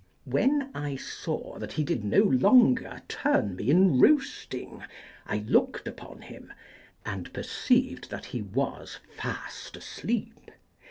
When I saw that he did no longer turn me in roasting, I looked upon him, and perceived that he was fast asleep.